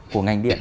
của ngành điện